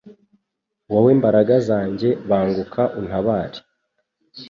wowe mbaraga zanjye banguka untabare